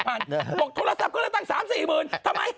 บอกโทรศัพท์ก็เลยตั้ง๓๔หมื่นทำไม